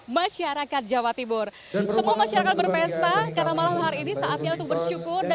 masyarakat jawa timur semua masyarakat berpesta karena malam hari ini saatnya untuk bersyukur